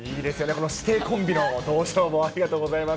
この師弟コンビの登場も、ありがとうございます。